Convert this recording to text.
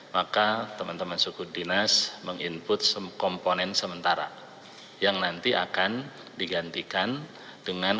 maka teman teman suku dinas meng input komponen sementara yang nanti akan digantikan dengan